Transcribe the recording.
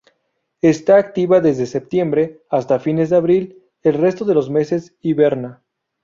Está activa desde septiembre hasta fines de abril; el resto de los meses hiberna.